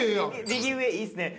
右上いいですね。